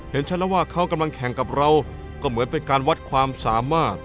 เห็นชัดแล้วว่าเขากำลังแข่งกับเราก็เหมือนเป็นการวัดความสามารถ